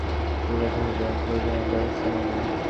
তখন জাতির কাছে সত্যিকার তথ্য তুলে ধরব এবং প্রয়োজনীয় ব্যবস্থা নেব।